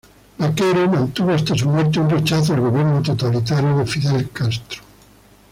Baquero mantuvo hasta su muerte un rechazo al gobierno totalitario de Fidel Castro.